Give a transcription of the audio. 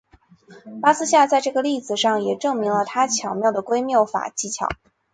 巴斯夏在这个例子上也证明了他巧妙的归谬法技巧。